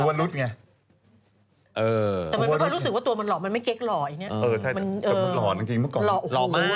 แต่มันมันรู้สึกว่าตัวมันหล่อมันไม่เก๊กหล่ออย่างเงี้ย